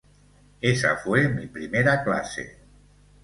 Esa fue mi primera clase.